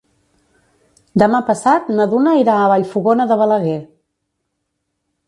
Demà passat na Duna irà a Vallfogona de Balaguer.